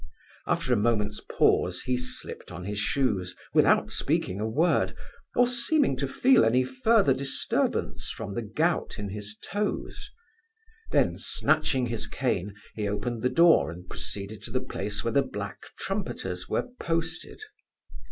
After a moment's pause, he slipt on his shoes, without speaking a word, or seeming to feel any further disturbance from the gout in his toes. Then snatching his cane, he opened the door and proceeded to the place where the black trumpeters were posted.